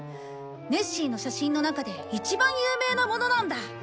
ネッシーの写真の中で一番有名なものなんだ。